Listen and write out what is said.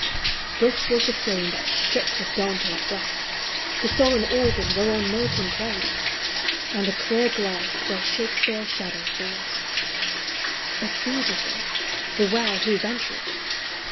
This was the flame that shook with Dante's breath, The solemn organ whereon Milton played, And the clear glass where Shakespeare's shadow falls : A sea this is, — beware who ventureth